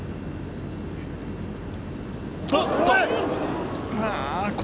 おっと！